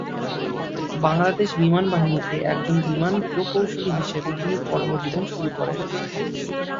বাংলাদেশ বিমান বাহিনীতে একজন বিমান প্রকৌশলী হিসেবে তিনি কর্মজীবন শুরু করেন।